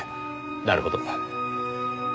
なるほど。